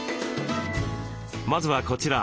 まずはこちら。